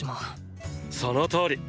そのとおり。